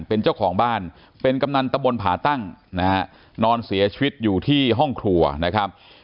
เป็นเจ้าของบ้านเป็นกำนันตะบนผาตั้งนะฮะนอนเสียชีวิตอยู่ที่ห้องครัวนะครับ